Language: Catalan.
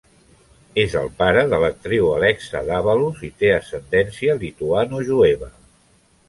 És el pare de l'actriu Alexa Dávalos i té ascendència lituanojueva.